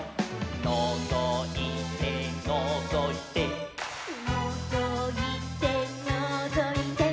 「のぞいてのぞいて」「のぞいてのぞいて」